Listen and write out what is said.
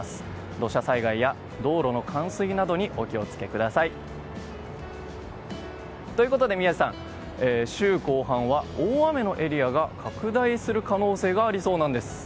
土砂災害や道路の冠水などにお気を付けください。ということで宮司さん週後半は大雨のエリアが拡大する可能性がありそうなんです。